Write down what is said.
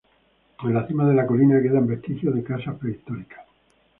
En la cima de la colina quedan vestigios de casas prehistóricas.